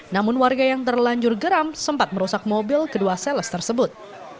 namun warga yang terlanjur geram sempat merusak mobil kedua sales tersebut